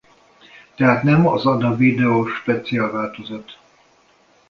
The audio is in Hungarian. Tehát nem az Ada Video Special változat.